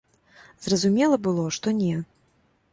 Зразумела было, што не.